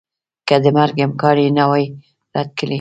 که د مرګ امکان یې نه وای رد کړی